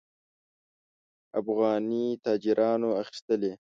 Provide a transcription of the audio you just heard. افغاني تاجرانو اخیستلې.